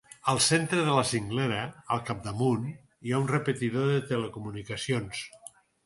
Al centre de la cinglera, al capdamunt, hi ha un repetidor de telecomunicacions.